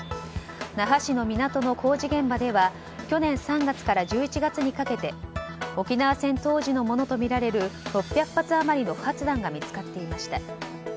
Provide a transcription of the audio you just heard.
那覇市の港の工事現場では去年３月から１１月にかけて沖縄戦当時のものとみられる６００発余りの不発弾が見つかっていました。